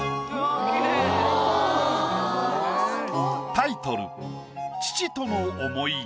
タイトル